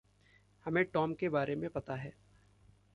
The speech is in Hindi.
हमें टॉम के बारे में पता है।